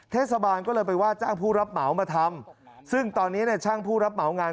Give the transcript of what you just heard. เทศบาลผู้รับเหมามาทำซึ่งตอนนี้ช่างผู้รับเหมางาร